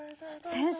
先生。